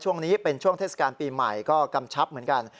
ช่วงนี้เป็นช่วงเทศกาลปีใหม่ก็กำชับเหมือนกัน